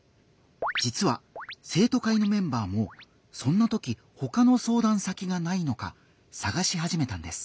じつは生徒会のメンバーもそんなときほかの相談先がないのかさがしはじめたんです。